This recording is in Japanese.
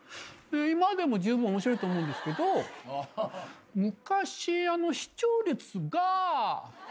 今でもじゅうぶん面白いと思うんですけど昔視聴率が！